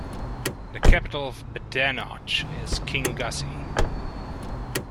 The capital of Badenoch is Kingussie.